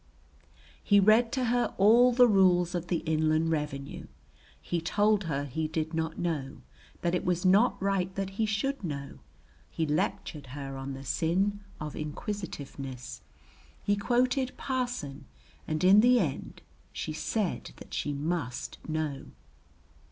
He read to her all the rules of the Inland Revenue, he told her he did not know, that it was not right that he should know, he lectured her on the sin of inquisitiveness, he quoted Parson, and in the end she said that she must know.